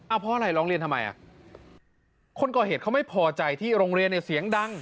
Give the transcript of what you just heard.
เพราะอะไรร้องเรียนทำไมอ่ะคนก่อเหตุเขาไม่พอใจที่โรงเรียนเนี่ยเสียงดัง